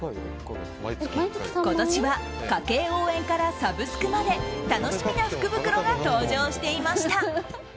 今年は家計応援からサブスクまで楽しみな福袋が登場していました。